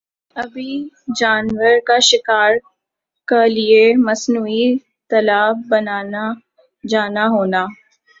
آبی جانور کا شکار کا لئے مصنوعی تالاب بننا جانا ہونا